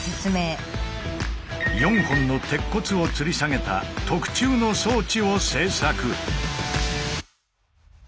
４本の鉄骨を吊り下げた特注の装置を製作。